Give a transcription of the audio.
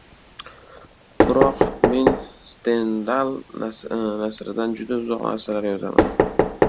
Biroq men Stendal nasridan juda uzoq narsalar yozaman